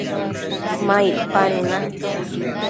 ma icpanu na